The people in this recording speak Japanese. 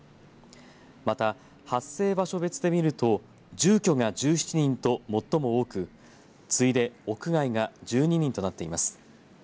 また、発生場所別で見ると住居が１７人と最も多く次いで屋外が１２人となっています。